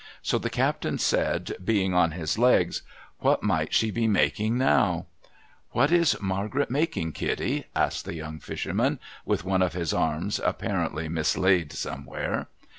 So the captain said, being on his legs, —' \Vhat might she be making now ?'' What is Margaret making, Kitty ?' asked the young fisherman, ■— with one of his arms apparently mislaid somewhere.